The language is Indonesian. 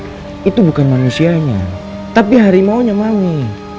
maka dia bukan manusianya tapi hari maunya mami